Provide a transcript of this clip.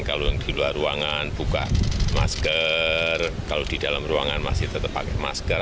kalau yang di luar ruangan buka masker kalau di dalam ruangan masih tetap pakai masker